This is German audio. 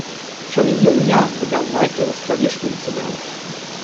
Schon in jungen Jahren begann Michael das Klavierspielen zu lernen.